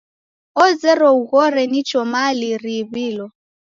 Ozerwa ughore nicha mali riiw'ilo.